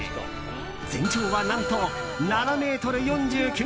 全長は何と７ｍ４９ｃｍ。